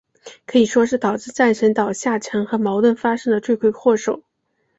可以说是导致战神岛下沉和矛盾发生的罪魁祸首。